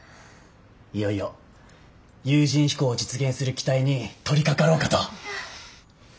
いよいよ有人飛行を実現する機体に取りかかろうかと。